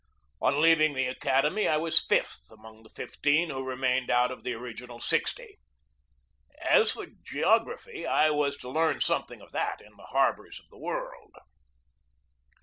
On leaving the acad emy I was fifth among the fifteen who remained out of the original sixty. As for geography, I was to learn something of that in the harbors of the world.